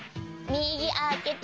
みぎあけて。